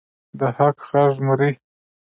د حق غږ مري؟